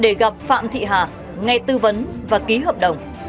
để gặp phạm thị hà ngay tư vấn và ký hợp đồng